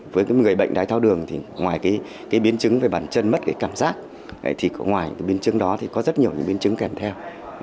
với những người bệnh đai tháo đường thì ngoài cái biến chứng về bản chân mất cái cảm giác thì ngoài cái biến chứng đó thì có rất nhiều cái biến chứng kèm theo